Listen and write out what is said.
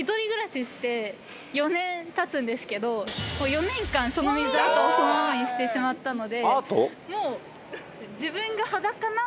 ４年間その水アカをそのままにしてしまったので。